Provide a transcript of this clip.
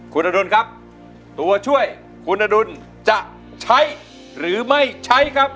คุณอดุลครับตัวช่วยคุณอดุลจะใช้หรือไม่ใช้ครับ